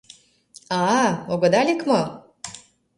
А-а, огыда лек мо?